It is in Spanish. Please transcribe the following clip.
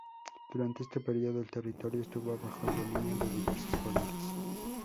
Durante este período el territorio estuvo bajo el dominio de diversos poderes.